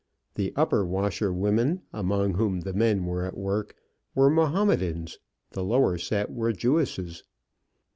The upper washerwomen, among whom the men were at work, were Mahomedans; the lower set were Jewesses.